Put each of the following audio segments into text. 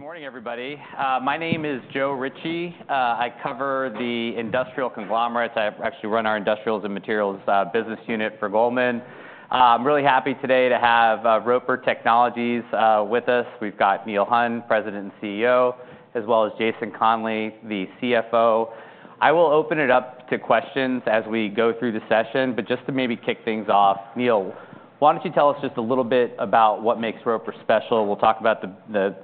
Good morning, everybody. My name is Joe Ritchie. I cover the industrial conglomerates. I actually run our industrials and materials business unit for Goldman. I'm really happy today to have Roper Technologies with us. We've got Neil Hunn, President and CEO, as well as Jason Conley, the CFO. I will open it up to questions as we go through the session, but just to maybe kick things off, Neil, why don't you tell us just a little bit about what makes Roper special? We'll talk about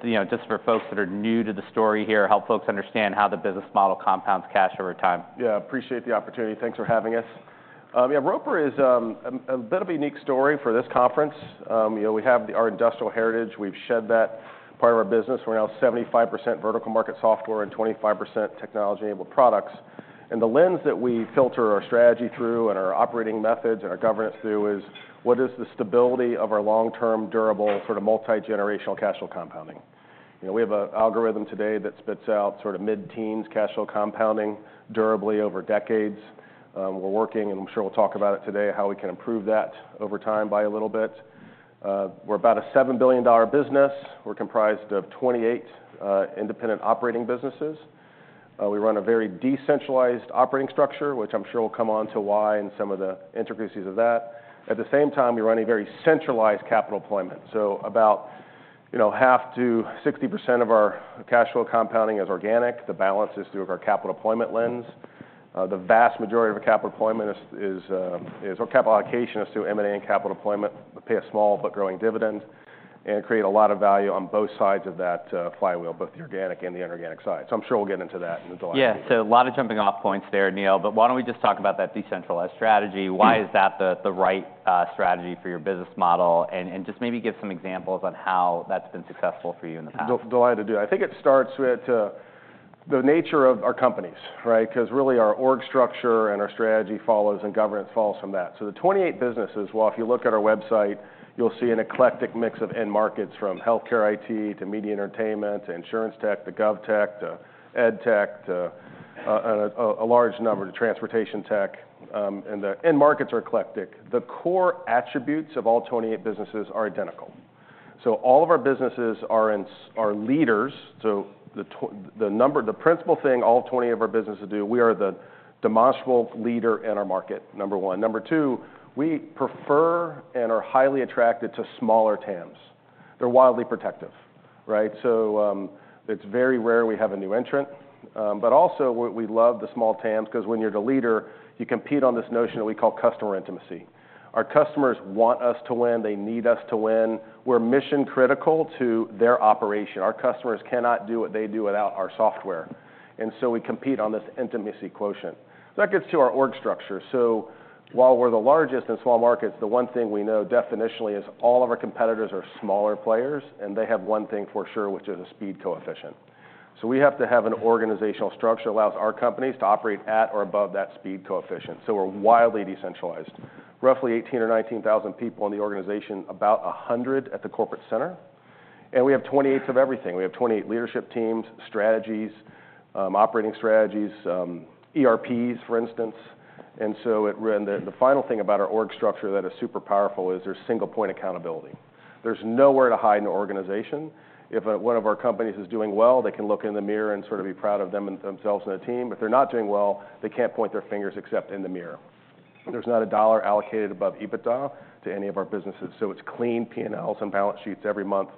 you know, just for folks that are new to the story here, help folks understand how the business model compounds cash over time. Yeah, appreciate the opportunity. Thanks for having us. Yeah, Roper is a bit of a unique story for this conference. You know, we have our industrial heritage, we've shed that part of our business. We're now 75% vertical market software and 25% technology-enabled products. And the lens that we filter our strategy through, and our operating methods, and our governance through is, what is the stability of our long-term, durable, sort of multi-generational cash flow compounding? You know, we have a algorithm today that spits out sort of mid-teens cash flow compounding durably over decades. We're working, and I'm sure we'll talk about it today, how we can improve that over time by a little bit. We're about a $7 billion business. We're comprised of 28 independent operating businesses. We run a very decentralized operating structure, which I'm sure we'll come on to why and some of the intricacies of that. At the same time, we run a very centralized capital deployment. So about, you know, 50%-60% of our cash flow compounding is organic, the balance is through our capital deployment lens. The vast majority of our capital deployment or capital allocation is to M&A and capital deployment. We pay a small but growing dividend, and create a lot of value on both sides of that flywheel, both the organic and the inorganic side. So I'm sure we'll get into that in detail. Yeah. So a lot of jumping off points there, Neil, but why don't we just talk about that decentralized strategy? Why is that the right strategy for your business model? And just maybe give some examples on how that's been successful for you in the past. Delighted to do it. I think it starts with the nature of our companies, right? Because really, our org structure and our strategy follows, and governance follows from that. So the twenty-eight businesses, well, if you look at our website, you'll see an eclectic mix of end markets, from healthcare IT, to media entertainment, to insurance tech, to gov tech, to ed tech, to a large number to transportation tech. And the end markets are eclectic. The core attributes of all twenty-eight businesses are identical. So all of our businesses are leaders. So the principal thing all twenty of our businesses do, we are the demonstrable leader in our market, number one. Number two, we prefer and are highly attracted to smaller TAMs. They're wildly protective, right? So, it's very rare we have a new entrant. But also, we love the small TAMs, 'cause when you're the leader, you compete on this notion that we call customer intimacy. Our customers want us to win, they need us to win. We're mission-critical to their operation. Our customers cannot do what they do without our software, and so we compete on this intimacy quotient. That gets to our org structure. So while we're the largest in small markets, the one thing we know definitionally is all of our competitors are smaller players, and they have one thing for sure, which is a speed coefficient. So we have to have an organizational structure that allows our companies to operate at or above that speed coefficient, so we're wildly decentralized. Roughly 18,000 or 19,000 people in the organization, about 100 at the corporate center, and we have 28s of everything. We have twenty-eight leadership teams, strategies, operating strategies, ERPs, for instance. And so it. And the final thing about our org structure that is super powerful is there's single point accountability. There's nowhere to hide in an organization. If one of our companies is doing well, they can look in the mirror and sort of be proud of themselves and their team. If they're not doing well, they can't point their fingers except in the mirror. There's not a dollar allocated above EBITDA to any of our businesses, so it's clean P&Ls and balance sheets every month,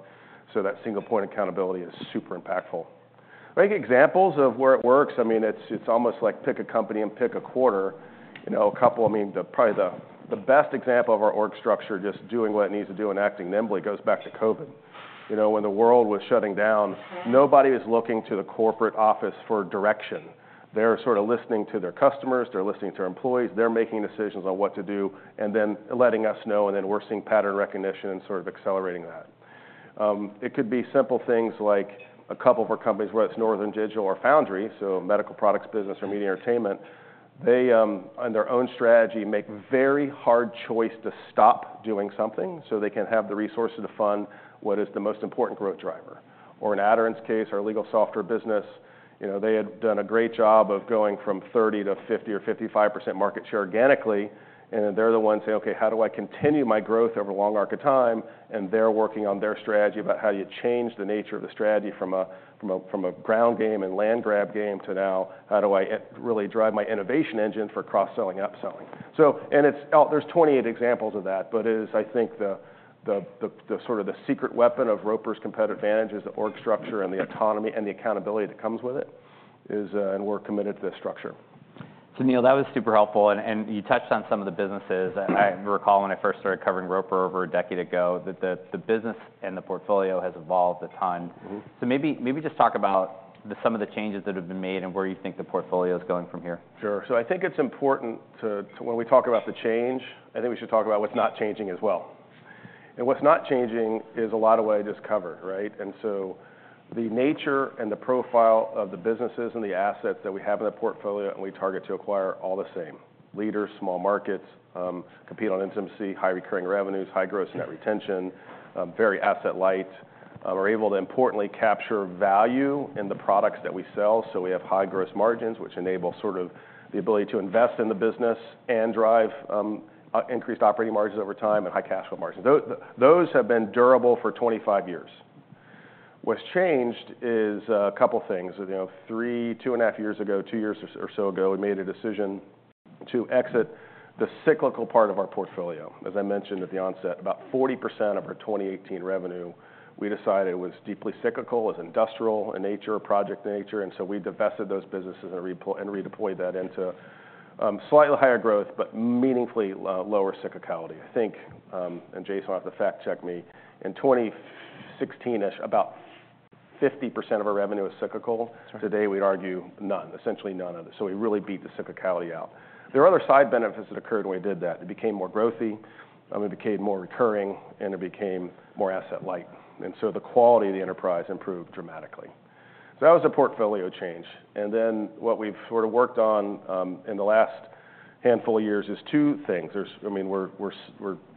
so that single point accountability is super impactful. Great examples of where it works, I mean, it's almost like pick a company and pick a quarter. You know, I mean, probably the best example of our org structure, just doing what it needs to do and acting nimbly, goes back to COVID. You know, when the world was shutting down, nobody is looking to the corporate office for direction. They're sort of listening to their customers, they're listening to their employees, they're making decisions on what to do, and then letting us know, and then we're seeing pattern recognition and sort of accelerating that. It could be simple things, like a couple of our companies, whether it's Northern Digital or Foundry, so medical products business or media entertainment, they, on their own strategy, make very hard choice to stop doing something so they can have the resources to fund what is the most important growth driver. Or in Aderant case, our legal software business, you know, they had done a great job of going from 30% to 50% or 55% market share organically, and they're the ones saying, "Okay, how do I continue my growth over a long arc of time?" And they're working on their strategy about how you change the nature of the strategy from a ground game and land grab game to now, how do I really drive my innovation engine for cross-selling, upselling? So and it's... There's 28 examples of that, but it is, I think, the sort of the secret weapon of Roper's competitive advantage is the org structure and the autonomy, and the accountability that comes with it, is... And we're committed to this structure. Neil, that was super helpful, and you touched on some of the businesses. I recall when I first started covering Roper over a decade ago that the business and the portfolio has evolved a ton. Mm-hmm. Maybe, maybe just talk about some of the changes that have been made and where you think the portfolio is going from here. Sure, so I think it's important to, when we talk about the change, I think we should talk about what's not changing as well, and what's not changing is a lot of what I just covered, right, and so the nature and the profile of the businesses and the assets that we have in the portfolio, and we target to acquire, are all the same. Leaders, small markets, compete on intimacy, high recurring revenues, high gross net retention, very asset light. We're able to importantly capture value in the products that we sell, so we have high gross margins, which enable sort of the ability to invest in the business and drive increased operating margins over time and high cash flow margins. Those have been durable for 25 years... What's changed is a couple things. You know, three, two and a half years ago, two years or so ago, we made a decision to exit the cyclical part of our portfolio. As I mentioned at the onset, about 40% of our 2018 revenue, we decided it was deeply cyclical, it was industrial in nature, project nature, and so we divested those businesses and redeployed that into slightly higher growth, but meaningfully lower cyclicality. I think, and Jason will have to fact-check me, in 2016-ish, about 50% of our revenue was cyclical. Today, we'd argue none, essentially none of it, so we really beat the cyclicality out. There are other side benefits that occurred when we did that. It became more growthy, it became more recurring, and it became more asset light, and so the quality of the enterprise improved dramatically. So that was a portfolio change. And then what we've sort of worked on in the last handful of years is two things. I mean,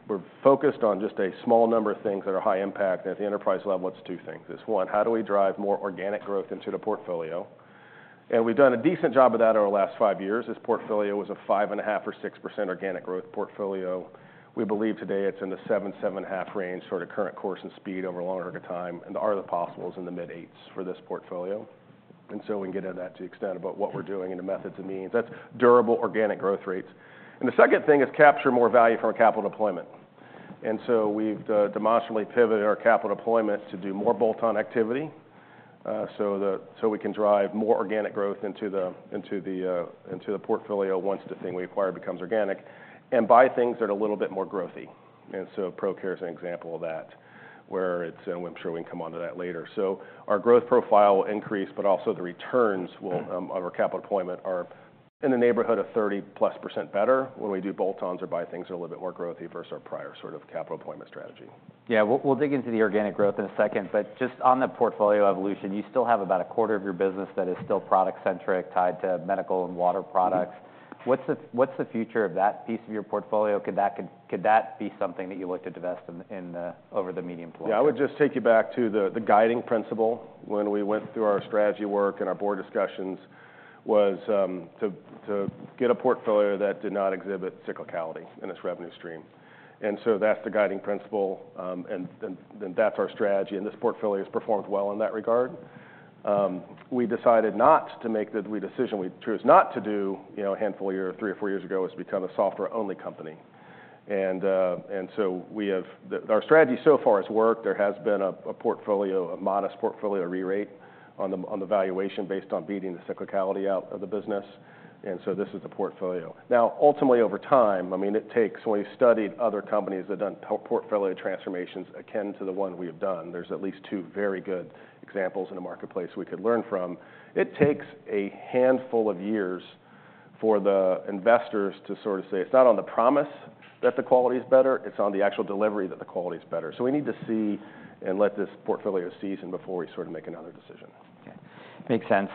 we're focused on just a small number of things that are high impact. At the enterprise level, it's two things. It's one, how do we drive more organic growth into the portfolio? And we've done a decent job of that over the last five years. This portfolio was a five and a half or six % organic growth portfolio. We believe today it's in the seven, seven and a half range, sort of current course and speed over a longer time, and the art of the possible is in the mid eights for this portfolio. And so we can get into that to the extent about what we're doing and the methods and means. That's durable organic growth rates. And the second thing is capture more value from our capital deployment. And so we've demonstrably pivoted our capital deployment to do more bolt-on activity, so we can drive more organic growth into the portfolio once the thing we acquire becomes organic, and buy things that are a little bit more growthy. And so Procare is an example of that, where it's... I'm sure we can come onto that later. Our growth profile increased, but also the returns will of our capital deployment are in the neighborhood of 30%+ better when we do bolt-ons or buy things that are a little bit more growthy versus our prior sort of capital deployment strategy. Yeah, we'll, we'll dig into the organic growth in a second, but just on the portfolio evolution, you still have about a quarter of your business that is still product centric, tied to medical and water products. What's the future of that piece of your portfolio? Could that be something that you look to divest over the medium term? Yeah, I would just take you back to the guiding principle when we went through our strategy work and our board discussions was to get a portfolio that did not exhibit cyclicality in its revenue stream. That's the guiding principle, and then that's our strategy, and this portfolio has performed well in that regard. The decision we chose not to do, you know, a handful of years, three or four years ago, was become a software-only company. Our strategy so far has worked. There has been a modest portfolio rerate on the valuation based on beating the cyclicality out of the business, and so this is the portfolio. Now, ultimately, over time, I mean, it takes, when you've studied other companies that have done portfolio transformations akin to the one we have done, there's at least two very good examples in the marketplace we could learn from. It takes a handful of years for the investors to sort of say, "It's not on the promise that the quality is better, it's on the actual delivery that the quality is better." So we need to see and let this portfolio season before we sort of make another decision. Okay. Makes sense.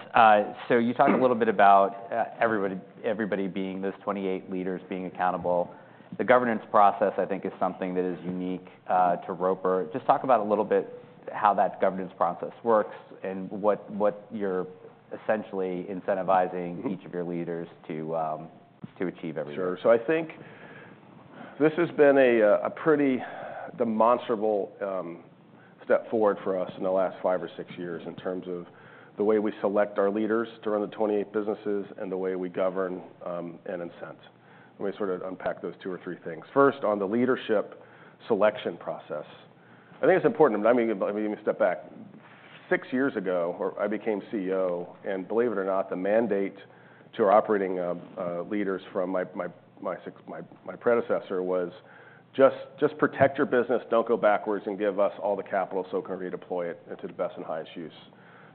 So you talked a little bit about everybody being... those twenty-eight leaders being accountable. The governance process, I think, is something that is unique to Roper. Just talk about a little bit how that governance process works and what you're essentially incentivizing- Mm-hmm... each of your leaders to, to achieve every year. Sure. So I think this has been a pretty demonstrable step forward for us in the last five or six years in terms of the way we select our leaders to run the twenty-eight businesses and the way we govern, and incent. Let me sort of unpack those two or three things. First, on the leadership selection process, I think it's important, I mean, let me step back. Six years ago, I became CEO, and believe it or not, the mandate to our operating leaders from my predecessor was, "Just, just protect your business, don't go backwards and give us all the capital so we can redeploy it into the best and highest use."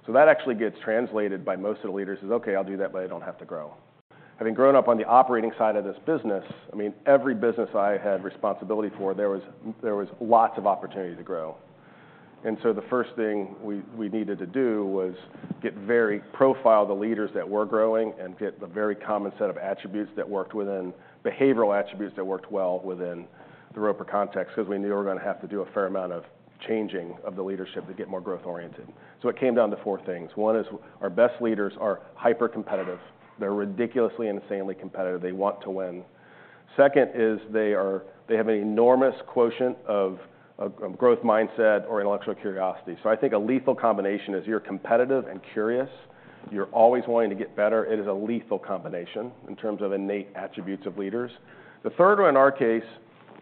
So that actually gets translated by most of the leaders as, "Okay, I'll do that, but I don't have to grow." Having grown up on the operating side of this business, I mean, every business I had responsibility for, there was lots of opportunity to grow. And so the first thing we needed to do was profile the leaders that were growing and get the very common set of behavioral attributes that worked well within the Roper context, because we knew we were going to have to do a fair amount of changing of the leadership to get more growth oriented. So it came down to four things. One is our best leaders are hypercompetitive. They're ridiculously, insanely competitive, they want to win. Second is they have an enormous quotient of growth mindset or intellectual curiosity. So I think a lethal combination is you're competitive and curious, you're always wanting to get better, it is a lethal combination in terms of innate attributes of leaders. The third one, in our case,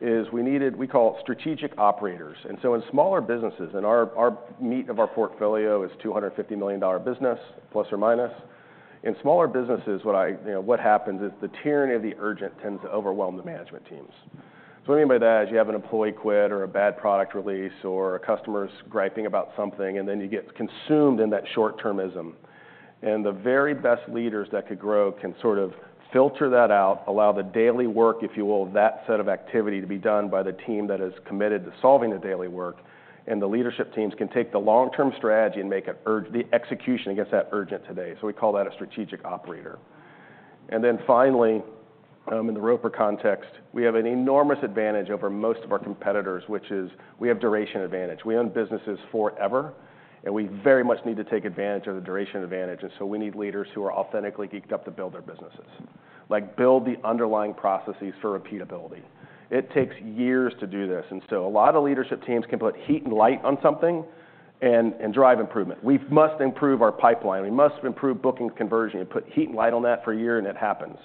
is we needed, we call strategic operators. In smaller businesses, and our meat of our portfolio is a ± $250 million business. In smaller businesses, you know, what happens is the tyranny of the urgent tends to overwhelm the management teams. So what I mean by that is you have an employee quit or a bad product release, or a customer's griping about something, and then you get consumed in that short-termism. And the very best leaders that could grow can sort of filter that out, allow the daily work, if you will, that set of activity, to be done by the team that is committed to solving the daily work, and the leadership teams can take the long-term strategy and make it urgent, the execution against that urgent today. So we call that a strategic operator. And then finally, in the Roper context, we have an enormous advantage over most of our competitors, which is we have duration advantage. We own businesses forever, and we very much need to take advantage of the duration advantage, and so we need leaders who are authentically geeked up to build their businesses... like build the underlying processes for repeatability. It takes years to do this, and so a lot of leadership teams can put heat and light on something and drive improvement. We must improve our pipeline. We must improve booking conversion, and put heat and light on that for a year, and it happens.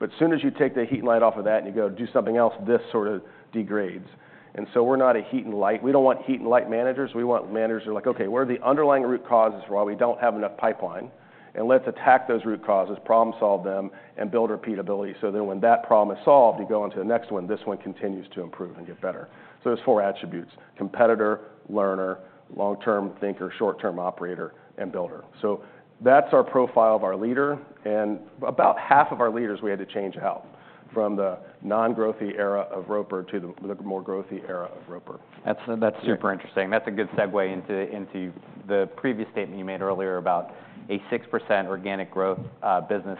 But as soon as you take the heat and light off of that, and you go do something else, this sort of degrades. And so we're not a heat and light - we don't want heat and light managers. We want managers who are like, "Okay, where are the underlying root causes for why we don't have enough pipeline? And let's attack those root causes, problem solve them, and build repeatability, so that when that problem is solved, you go on to the next one. This one continues to improve and get better." So there's four attributes: competitor, learner, long-term thinker, short-term operator, and builder. So that's our profile of our leader, and about half of our leaders we had to change out from the non-growthy era of Roper to the more growthy era of Roper. That's super interesting. That's a good segue into the previous statement you made earlier about 6% organic growth business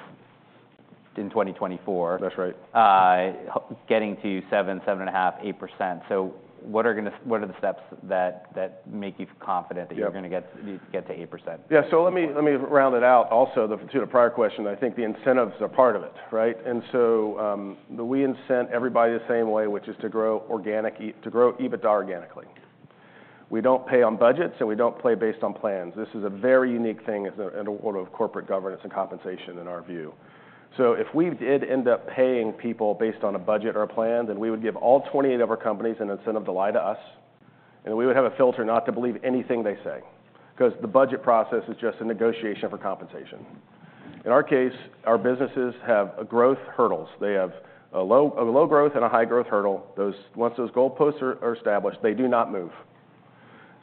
in 2024- That's right. getting to 7%, 7.5%, 8%. So what are gonna what are the steps that make you confident? Yeah... that you're gonna get to 8%? Yeah, so let me round it out. Also, to the prior question, I think the incentives are part of it, right? And so, we incent everybody the same way, which is to grow EBITDA organically. We don't pay on budgets, and we don't pay based on plans. This is a very unique thing in the world of corporate governance and compensation, in our view. So if we did end up paying people based on a budget or a plan, then we would give all twenty-eight of our companies an incentive to lie to us, and we would have a filter not to believe anything they say, 'cause the budget process is just a negotiation for compensation. In our case, our businesses have growth hurdles. They have a low growth and a high growth hurdle. Once those goalposts are established, they do not move.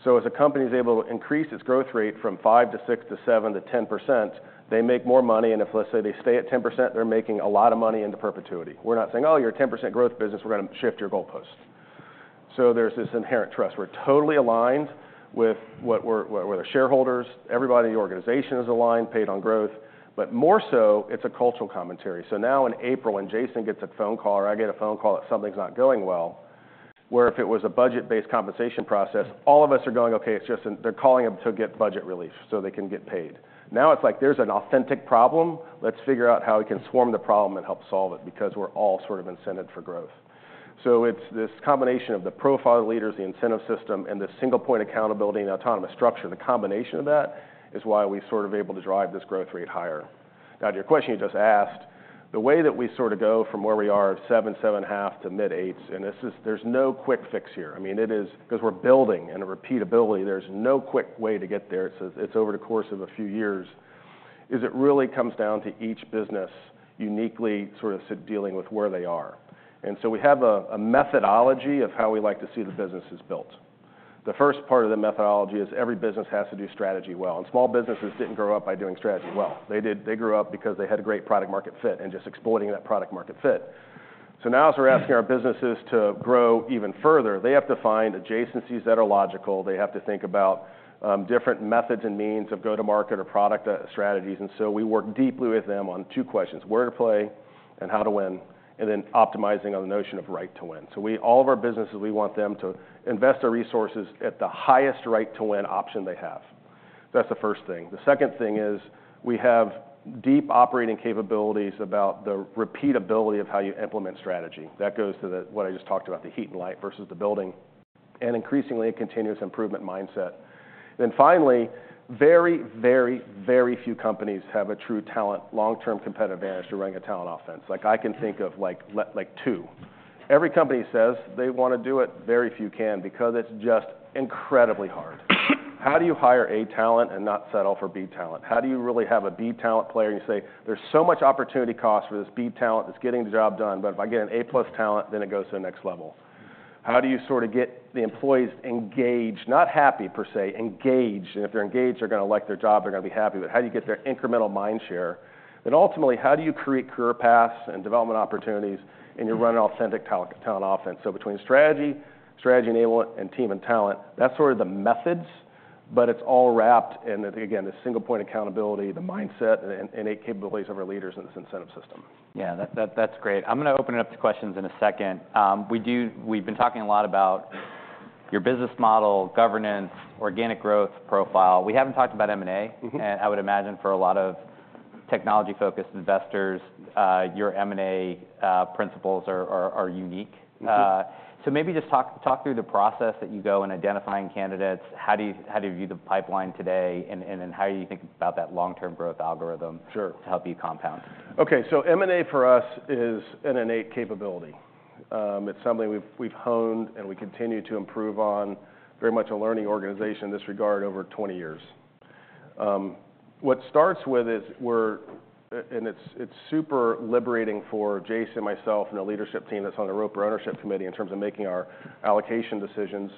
So if a company is able to increase its growth rate from five to six to seven to 10%, they make more money, and if, let's say, they stay at 10%, they're making a lot of money into perpetuity. We're not saying, "Oh, you're a 10% growth business. We're gonna shift your goalposts." So there's this inherent trust. We're totally aligned with our shareholders. Everybody in the organization is aligned, paid on growth, but more so, it's a cultural commentary. So now, in April, when Jason gets a phone call or I get a phone call that something's not going well, where if it was a budget-based compensation process, all of us are going: "Okay, it's just-- They're calling him to get budget relief, so they can get paid." Now, it's like, there's an authentic problem. Let's figure out how we can swarm the problem and help solve it, because we're all sort of incented for growth. So it's this combination of the profile of the leaders, the incentive system, and the single point accountability and autonomous structure. The combination of that is why we're sort of able to drive this growth rate higher. Now, to your question you just asked, the way that we sort of go from where we are, seven, seven and a half, to mid eights, and this is-- there's no quick fix here. I mean, it is. 'Cause we're building, and in repeatability, there's no quick way to get there, so it's over the course of a few years. It really comes down to each business uniquely sort of dealing with where they are. So we have a methodology of how we like to see the businesses built. The first part of the methodology is every business has to do strategy well, and small businesses didn't grow up by doing strategy well. They grew up because they had a great product market fit and just exploiting that product market fit. So now, as we're asking our businesses to grow even further, they have to find adjacencies that are logical. They have to think about different methods and means of go-to-market or product strategies. And so we work deeply with them on two questions: where to play and how to win, and then optimizing on the notion of right to win. So all of our businesses, we want them to invest their resources at the highest right to win option they have. That's the first thing. The second thing is, we have deep operating capabilities about the repeatability of how you implement strategy. That goes to what I just talked about, the heat and light versus the building, and increasingly, a continuous improvement mindset. Then finally, very, very, very few companies have a true talent, long-term competitive advantage to running a talent offense. Like, I can think of, like, two. Every company says they want to do it, very few can, because it's just incredibly hard. How do you hire A talent and not settle for B talent? How do you really have a B talent player, and you say, "There's so much opportunity cost for this B talent that's getting the job done, but if I get an A-plus talent, then it goes to the next level"? How do you sort of get the employees engaged, not happy, per se, engaged? And if they're engaged, they're gonna like their job, they're gonna be happy. But how do you get their incremental mind share? And ultimately, how do you create career paths and development opportunities, and you're running authentic talent, talent offense? So between strategy, strategy enablement, and team and talent, that's sort of the methods, but it's all wrapped in the, again, the single point accountability, the mindset, and innate capabilities of our leaders and this incentive system. Yeah, that's great. I'm gonna open it up to questions in a second. We've been talking a lot about your business model, governance, organic growth profile. We haven't talked about M&A. Mm-hmm. And I would imagine for a lot of technology-focused investors, your M&A principles are unique. Mm-hmm. So, maybe just talk through the process that you go in identifying candidates. How do you view the pipeline today, and then how you think about that long-term growth algorithm- Sure... to help you compound? Okay, so M&A for us is an innate capability. It's something we've honed, and we continue to improve on. Very much a learning organization in this regard over twenty years. What it starts with is we're, and it's super liberating for Jason, myself, and the leadership team that's on the Roper Ownership Committee, in terms of making our allocation decisions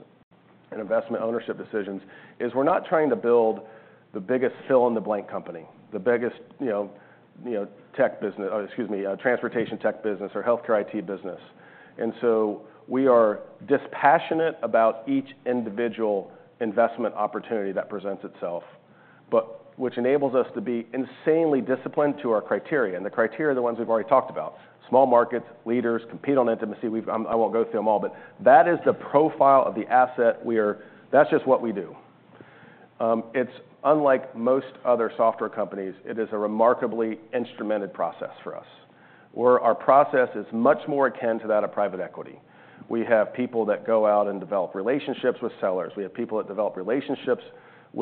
and investment ownership decisions, is we're not trying to build the biggest fill-in-the-blank company, the biggest, you know, tech business, transportation tech business or healthcare IT business, and so we are dispassionate about each individual investment opportunity that presents itself, but which enables us to be insanely disciplined to our criteria, and the criteria are the ones we've already talked about. Small markets, leaders, compete on intimacy. I won't go through them all, but that is the profile of the asset we are. That's just what we do. It's unlike most other software companies. It is a remarkably instrumented process for us, where our process is much more akin to that of private equity. We have people that go out and develop relationships with sellers. We have people that develop relationships with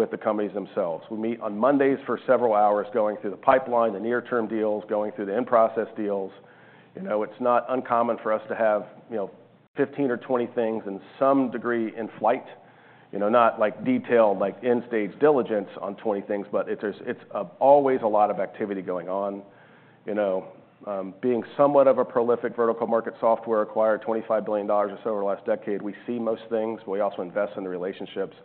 the companies themselves. We meet on Mondays for several hours, going through the pipeline, the near-term deals, going through the in-process deals. You know, it's not uncommon for us to have, you know, 15 or 20 things in some degree in flight. You know, not like detailed, like end-stage diligence on 20 things, but it is. It's always a lot of activity going on. You know, being somewhat of a prolific vertical market software acquirer, $25 billion or so over the last decade, we see most things, but we also invest in the relationships.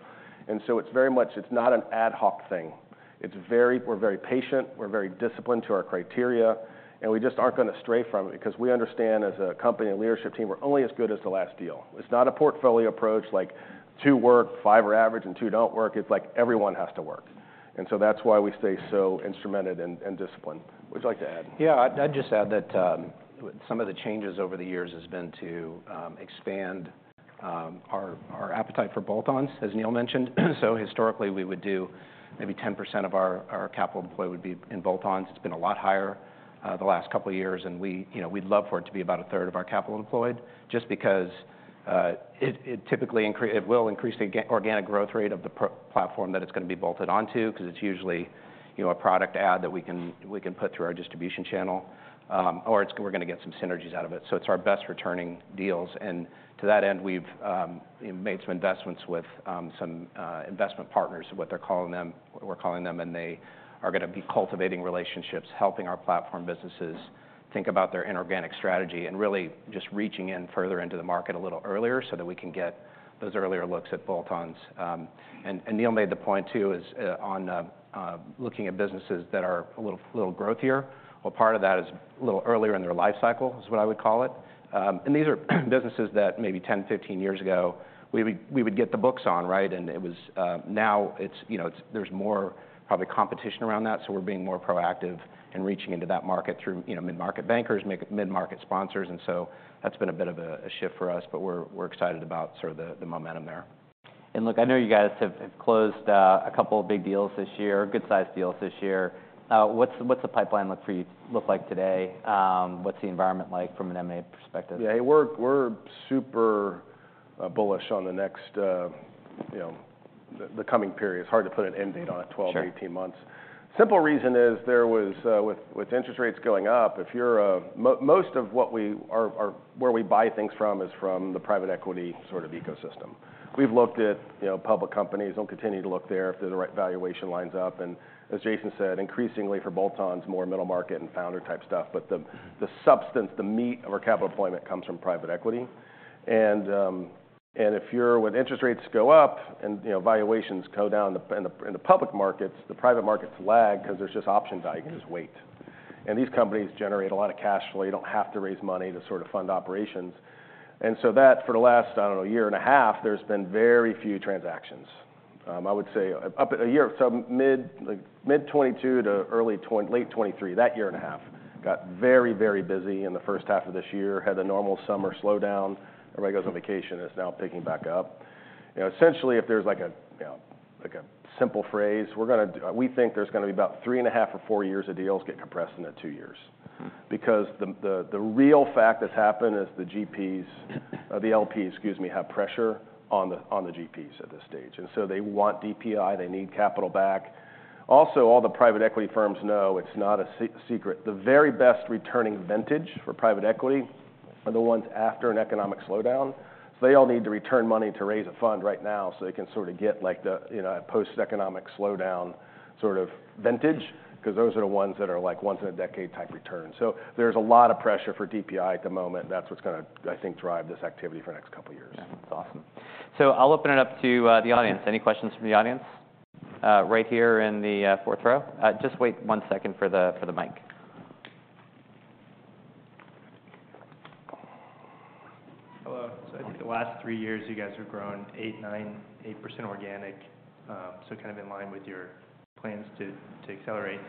And so it's very much, it's not an ad hoc thing. It's very, we're very patient, we're very disciplined to our criteria, and we just aren't going to stray from it, because we understand, as a company and leadership team, we're only as good as the last deal. It's not a portfolio approach, like two work, five are average, and two don't work. It's like everyone has to work, and so that's why we stay so instrumented and disciplined. Would you like to add? Yeah. I'd just add that some of the changes over the years has been to expand our appetite for bolt-ons, as Neil mentioned. So historically, we would do maybe 10% of our capital employed would be in bolt-ons. It's been a lot higher the last couple of years, and we, you know, we'd love for it to be about a third of our capital employed, just because it typically increase-- it will increase the organic growth rate of the platform that it's going to be bolted onto, because it's usually, you know, a product add that we can put through our distribution channel, or we're going to get some synergies out of it, so it's our best returning deals. And to that end, we've made some investments with some investment partners, what they're calling them, we're calling them, and they are going to be cultivating relationships, helping our platform businesses think about their inorganic strategy, and really just reaching in further into the market a little earlier, so that we can get those earlier looks at bolt-ons. And Neil made the point, too, is on looking at businesses that are a little growthier. Well, part of that is a little earlier in their life cycle, is what I would call it. And these are businesses that maybe 10, 15 years ago, we would get the books on, right? And it was. Now it's, you know, there's more probably competition around that, so we're being more proactive in reaching into that market through, you know, mid-market bankers, mid-market sponsors, and so that's been a bit of a shift for us, but we're excited about sort of the momentum there. Look, I know you guys have closed a couple of big deals this year, good-sized deals this year. What's the pipeline look like today? What's the environment like from an M&A perspective? Yeah, we're super bullish on the next, you know, the coming period. It's hard to put an end date on it- Sure... 12-18 months. Simple reason is with interest rates going up. Most of what we buy is from the private equity sort of ecosystem. We've looked at, you know, public companies, and we'll continue to look there if the right valuation lines up. And as Jason said, increasingly for bolt-ons, more middle-market and founder-type stuff. But the substance, the meat of our capital deployment comes from private equity. And when interest rates go up and, you know, valuations go down in the public markets, the private markets lag because there's just option value, just wait. And these companies generate a lot of cash flow. You don't have to raise money to sort of fund operations. And so that, for the last, I don't know, year and a half, there's been very few transactions. I would say, up a year, so mid, like, mid 2022 to early - late 2023, that year and a half, got very, very busy in the first half of this year. Had a normal summer slowdown, everybody goes on vacation, and it's now picking back up. You know, essentially, if there's, like a, you know, like a simple phrase, we're gonna do - we think there's going to be about three and a half or four years of deals getting compressed into two years. Mm-hmm. Because the real fact that's happened is the GPs, the LPs, excuse me, have pressure on the GPs at this stage, and so they want DPI, they need capital back. Also, all the private equity firms know it's not a secret. The very best returning vintage for private equity are the ones after an economic slowdown. So they all need to return money to raise a fund right now, so they can sort of get, like the, you know, a post-economic slowdown sort of vintage, because those are the ones that are, like, once-in-a-decade type returns. So there's a lot of pressure for DPI at the moment, that's what's gonna, I think, drive this activity for the next couple of years. Yeah, that's awesome. So I'll open it up to the audience. Any questions from the audience? Right here in the fourth row. Just wait one second for the mic. Hello. So I think the last three years, you guys have grown eight, nine, 8% organic, so kind of in line with your plans to accelerate.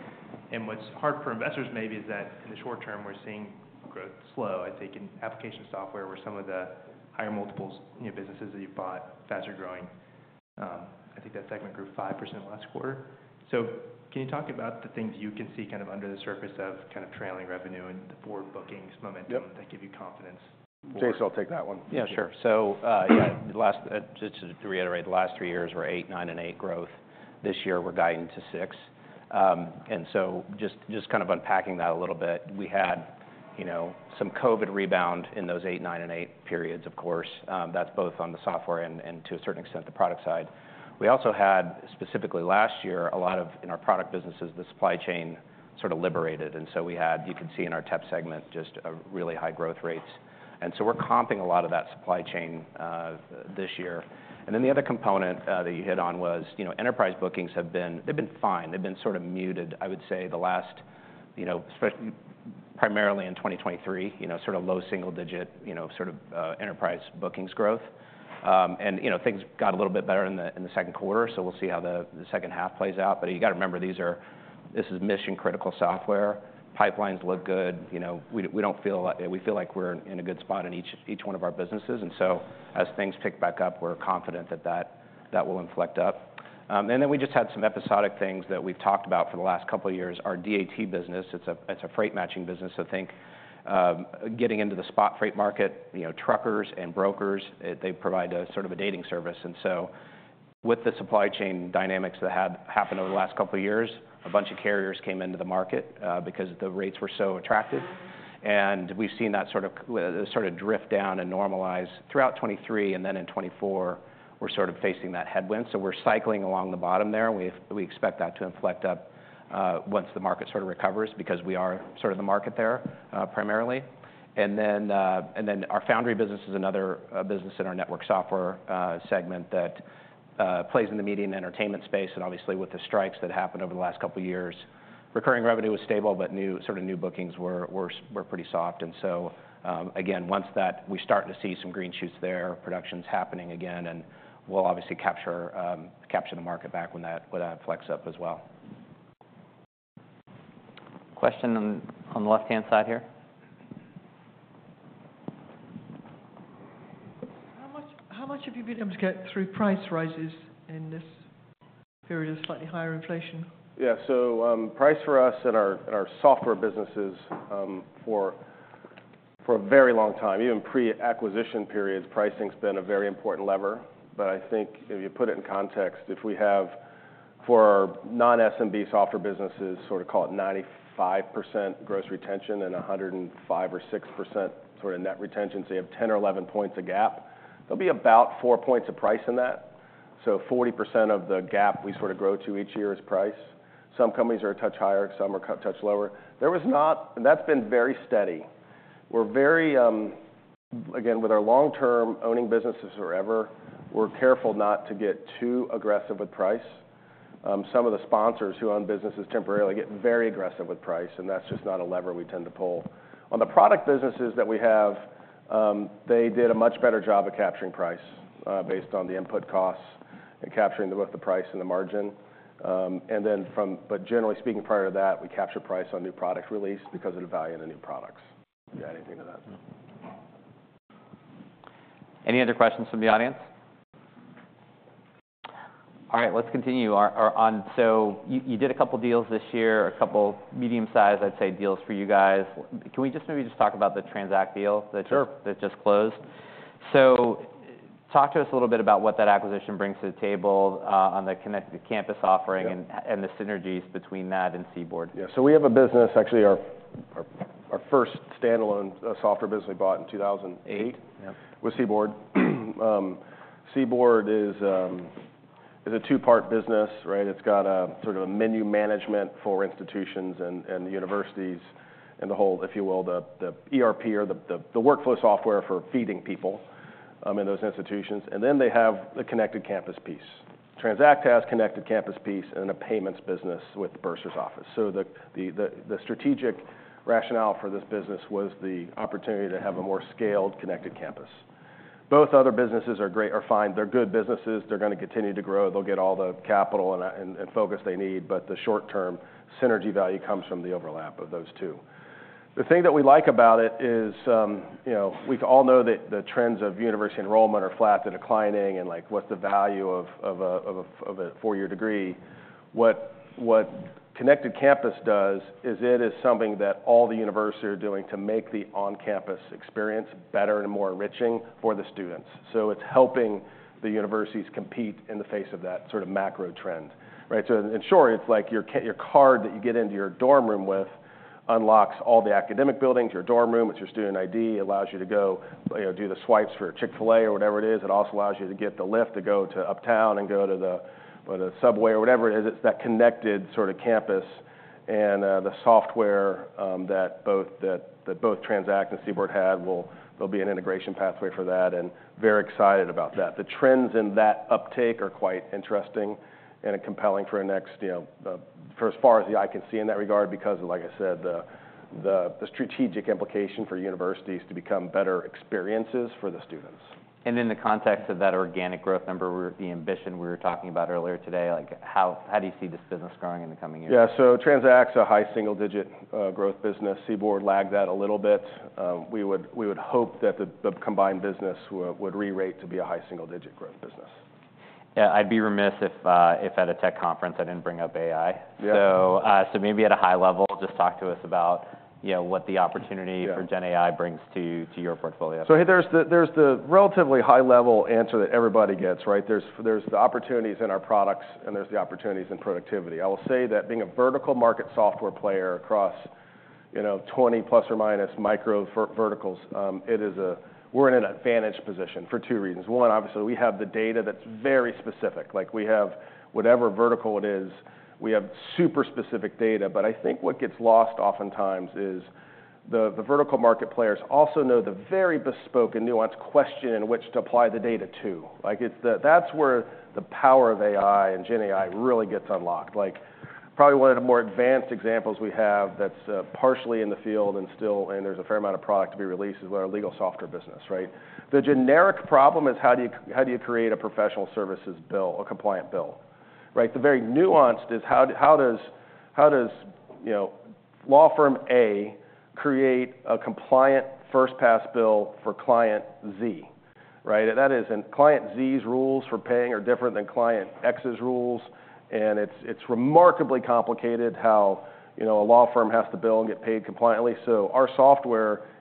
And what's hard for investors maybe is that in the short term, we're seeing growth slow, I think, in application software, where some of the higher multiples, you know, businesses that you've bought, faster growing. I think that segment grew 5% last quarter. So can you talk about the things you can see kind of under the surface of kind of trailing revenue and the forward bookings momentum? Yep... that give you confidence for- Jason, I'll take that one. Yeah, sure. So yeah, the last just to reiterate, the last three years were 8%, 9%, and 8% growth. This year, we're guiding to 6%, and so just kind of unpacking that a little bit, we had you know some COVID rebound in those eight, nine, and eight periods, of course. That's both on the software and to a certain extent, the product side. We also had, specifically last year, a lot of... In our product businesses, the supply chain sort of liberated, and so we had you could see in our TEP segment, just really high growth rates, and so we're comping a lot of that supply chain this year. And then the other component that you hit on was, you know, enterprise bookings have been. They've been fine, they've been sort of muted, I would say, the last, you know, primarily in 2023, you know, sort of low single digit, you know, sort of enterprise bookings growth. And, you know, things got a little bit better in the second quarter, so we'll see how the second half plays out. But you got to remember, these are-... this is mission-critical software. Pipelines look good, you know, we don't feel like-- we feel like we're in a good spot in each one of our businesses, and so as things pick back up, we're confident that that will inflect up. And then we just had some episodic things that we've talked about for the last couple of years. Our DAT business, it's a freight matching business, so think, getting into the spot freight market, you know, truckers and brokers, they provide a sort of a dating service. And so with the supply chain dynamics that had happened over the last couple of years, a bunch of carriers came into the market, because the rates were so attractive. And we've seen that sort of drift down and normalize throughout 2023, and then in 2024, we're sort of facing that headwind. So we're cycling along the bottom there, and we expect that to inflect up once the market sort of recovers because we are sort of the market there primarily. And then our Foundry business is another business in our network software segment that plays in the media and entertainment space. And obviously, with the strikes that happened over the last couple of years, recurring revenue was stable, but sort of new bookings were pretty soft. And so, again, once that. We're starting to see some green shoots there, production's happening again, and we'll obviously capture the market back when that flex up as well. Question on the left-hand side here? How much, how much have you been able to get through price rises in this period of slightly higher inflation? Yeah. So, price for us in our, in our software businesses, for, for a very long time, even pre-acquisition periods, pricing's been a very important lever. But I think if you put it in context, if we have for our non-SMB software businesses, sort of call it 95% gross retention and 105 or 6% sort of net retention, so you have 10 or 11 points of gap, there'll be about four points of price in that. So 40% of the gap we sort of grow to each year is price. Some companies are a touch higher, some are a touch lower. That's been very steady. We're very... Again, with our long-term owning businesses forever, we're careful not to get too aggressive with price. Some of the sponsors who own businesses temporarily get very aggressive with price, and that's just not a lever we tend to pull. On the product businesses that we have, they did a much better job at capturing price based on the input costs and capturing both the price and the margin. But generally speaking, prior to that, we capture price on new product release because of the value in the new products. You add anything to that? Any other questions from the audience? All right, let's continue. So you did a couple deals this year, a couple medium-sized, I'd say, deals for you guys. Can we just maybe talk about the Transact deal? Sure... that just closed? So talk to us a little bit about what that acquisition brings to the table, on the Connected Campus offering. Yeah... and the synergies between that and CBORD. Yeah. We have a business, actually, our first standalone software business we bought in two thousand and eight- Yeah... was CBORD. CBORD is a two-part business, right? It's got a sort of a menu management for institutions and universities, and the whole, if you will, the ERP or the workflow software for feeding people in those institutions. And then they have the Connected Campus piece. Transact has Connected Campus piece and a payments business with the bursar's office. So the strategic rationale for this business was the opportunity to have a more scaled Connected Campus. Both other businesses are great, are fine. They're good businesses. They're gonna continue to grow. They'll get all the capital and focus they need, but the short-term synergy value comes from the overlap of those two. The thing that we like about it is, you know, we all know that the trends of university enrollment are flat to declining, and, like, what's the value of a four-year degree? What Connected Campus does is it is something that all the universities are doing to make the on-campus experience better and more enriching for the students. So it's helping the universities compete in the face of that sort of macro trend, right? So in short, it's like your card that you get into your dorm room with, unlocks all the academic buildings, your dorm room. It's your student ID, allows you to go, you know, do the swipes for Chick-fil-A or whatever it is. It also allows you to get the lift to go to uptown and go to the, well, the subway or whatever it is. It's that connected sort of campus and the software that both Transact and CBORD have will be an integration pathway for that, and very excited about that. The trends in that uptake are quite interesting and compelling for a next, you know, for as far as the eye can see in that regard, because, like I said, the strategic implication for universities to become better experiences for the students. In the context of that organic growth number, the ambition we were talking about earlier today, like, how do you see this business growing in the coming years? Yeah. So Transact is a high single-digit growth business. CBORD lagged that a little bit. We would hope that the combined business would rerate to be a high single-digit growth business. Yeah, I'd be remiss if at a tech conference I didn't bring up AI. Yeah. So, maybe at a high level, just talk to us about, you know, what the opportunity- Yeah... for GenAI brings to your portfolio. There's the relatively high-level answer that everybody gets, right? There's the opportunities in our products, and there's the opportunities in productivity. I will say that being a vertical market software player across, you know, twenty plus or minus micro-verticals, it is we're in an advantageous position for two reasons. One, obviously, we have the data that's very specific. Like, we have whatever vertical it is, we have super specific data, but I think what gets lost oftentimes is the vertical market players also know the very bespoke and nuanced question in which to apply the data to. Like, that's where the power of AI and GenAI really gets unlocked. Like, probably one of the more advanced examples we have that's partially in the field and still, and there's a fair amount of product to be released, is our legal software business, right? The generic problem is how do you create a professional services bill, a compliant bill? Right? The very nuanced is how does, you know, law firm A create a compliant first pass bill for client Z, right? And that is, and client Z's rules for paying are different than client X's rules, and it's remarkably complicated how, you know, a law firm has to bill and get paid compliantly. So our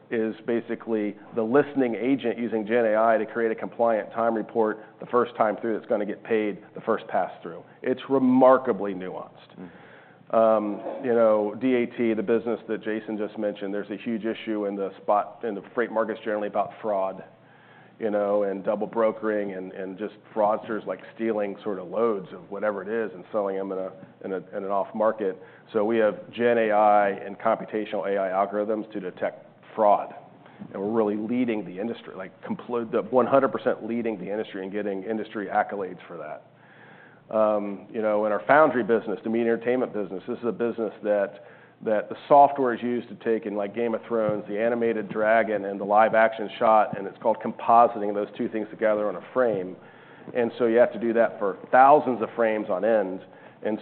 software is basically the listening agent using GenAI to create a compliant time report the first time through that's gonna get paid the first pass through. It's remarkably nuanced. Mm-hmm. You know, DAT, the business that Jason just mentioned, there's a huge issue in the spot in the freight markets generally about fraud, you know, and double brokering, and just fraudsters, like, stealing sort of loads of whatever it is and selling them in an off market. So we have GenAI and computational AI algorithms to detect fraud, and we're really leading the industry, like, completely the 100% leading the industry and getting industry accolades for that. You know, in our foundry business, the media entertainment business, this is a business that the software is used to take in, like, Game of Thrones, the animated dragon and the live action shot, and it's called compositing those two things together on a frame. And so you have to do that for thousands of frames on end, and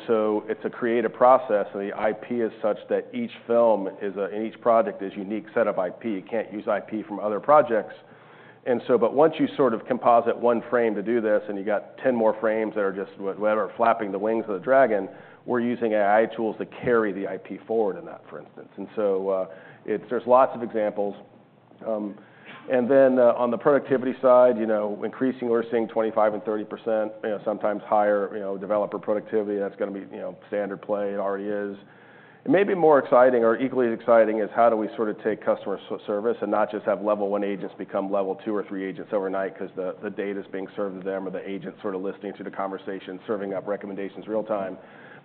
so it's a creative process, and the IP is such that each film is a... and each project is unique set of IP. You can't use IP from other projects. And so but once you sort of composite one frame to do this, and you've got 10 more frames that are just whatever, flapping the wings of the dragon, we're using AI tools to carry the IP forward in that, for instance. And so, it's there are lots of examples. And then, on the productivity side, you know, increasing, we're seeing 25% and 30%, you know, sometimes higher, you know, developer productivity. That's gonna be, you know, standard play, it already is. And maybe more exciting or equally exciting is: How do we sort of take customer service and not just have level one agents become level two or three agents overnight? 'Cause the data's being served to them, or the agent's sort of listening to the conversation, serving up recommendations real time,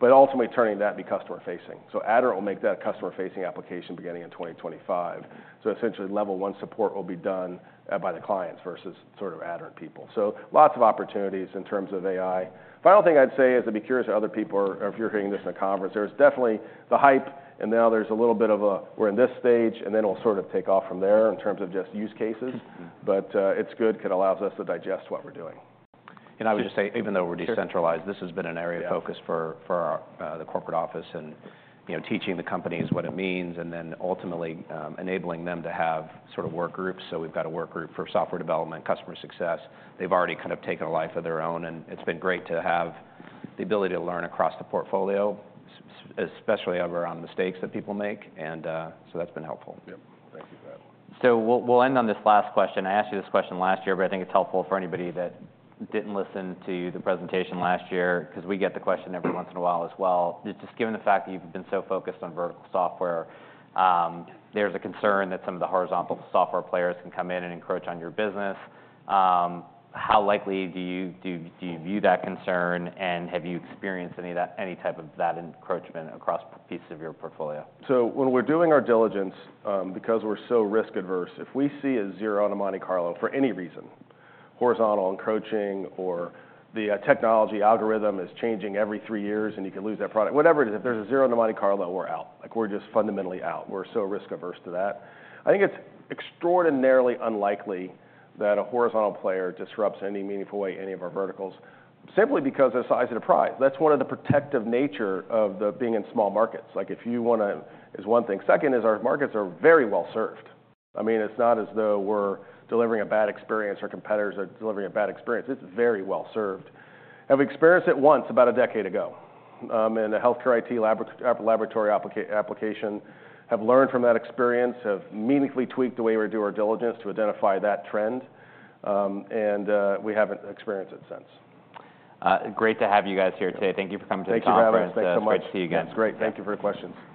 but ultimately turning that to be customer facing. So Aderant will make that a customer-facing application beginning in 2025. So essentially, level one support will be done by the clients versus sort of Aderant people. So lots of opportunities in terms of AI. Final thing I'd say is, I'd be curious if other people are or if you're hearing this in a conference, there's definitely the hype, and now there's a little bit of a, "We're in this stage," and then it'll sort of take off from there in terms of just use cases. Mm-hmm. But, it's good, it allows us to digest what we're doing. And I would just say, even though we're decentralized- Yeah... this has been an area of focus for the corporate office and, you know, teaching the companies what it means, and then ultimately enabling them to have sort of work groups. So we've got a work group for software development, customer success. They've already kind of taken a life of their own, and it's been great to have the ability to learn across the portfolio, especially around mistakes that people make, and so that's been helpful. Yep. Thank you for that. So we'll end on this last question. I asked you this question last year, but I think it's helpful for anybody that didn't listen to the presentation last year, 'cause we get the question every once in a while as well. Just given the fact that you've been so focused on vertical software, there's a concern that some of the horizontal software players can come in and encroach on your business. How likely do you view that concern, and have you experienced any type of that encroachment across pieces of your portfolio? When we're doing our diligence, because we're so risk averse, if we see a zero on a Monte Carlo for any reason, horizontal encroaching or the technology algorithm is changing every three years, and you could lose that product, whatever it is, if there's a zero in the Monte Carlo, we're out. Like, we're just fundamentally out. We're so risk averse to that. I think it's extraordinarily unlikely that a horizontal player disrupts any meaningful way any of our verticals, simply because of the size of the prize. That's one of the protective nature of being in small markets. Like, if you wanna is one thing. Second is our markets are very well served. I mean, it's not as though we're delivering a bad experience, or competitors are delivering a bad experience. It's very well served. Have experienced it once, about a decade ago, in a healthcare IT laboratory application. Have learned from that experience, have meaningfully tweaked the way we do our diligence to identify that trend, and we haven't experienced it since. Great to have you guys here today. Thank you for coming to the conference. Thank you for having us. Thanks so much. It's great to see you again. It's great. Thank you for your questions.